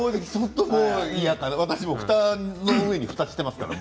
ふたの上にふたをしていますからね